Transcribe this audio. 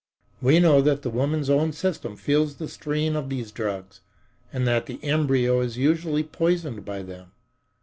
We know that the woman's own system feels the strain of these drugs and that the embryo is usually poisoned by them.